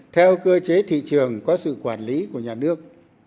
theo cơ chế thị trường có sự quản lý của nhà nước